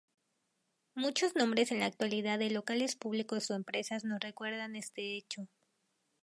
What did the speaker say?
Muchos nombres en la actualidad de locales públicos o empresas nos recuerdan este hecho.